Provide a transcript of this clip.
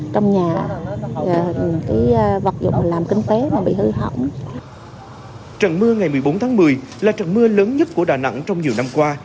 trận mưa ngày một mươi bốn tháng một mươi là trận mưa lớn nhất của đà nẵng trong nhiều năm qua